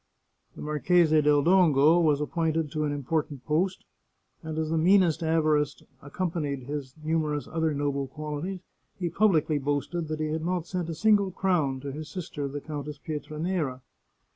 The Marchese del Dongo was appointed to an important post ; and as the meanest avarice accompanied his numerous other noble qualities, he publicly boasted that he had not sent a single crown to his sister, the Countess Pietranera.